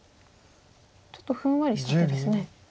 ちょっとふんわりした手ですね。